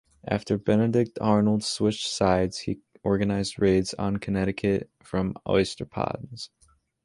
After Benedict Arnold switched sides, he organized raids on Connecticut from Oysterponds.